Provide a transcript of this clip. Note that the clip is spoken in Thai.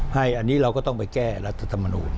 ให้อันนี้เราก็ต้องไปแก้รัฐธรรมนูล